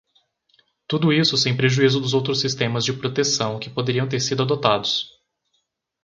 Tudo isso sem prejuízo dos outros sistemas de proteção que poderiam ter sido adotados.